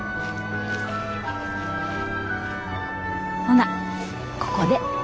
ほなここで。